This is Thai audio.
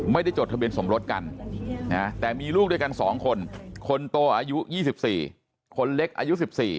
จดทะเบียนสมรสกันแต่มีลูกด้วยกัน๒คนคนโตอายุ๒๔คนเล็กอายุ๑๔